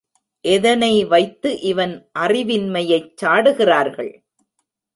எதனை வைத்து இவன் அறிவின்மையைச் சாடுகிறார்கள்?